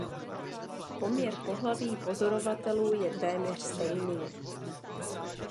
Poměr pohlaví pozorovatelů je téměř stejný.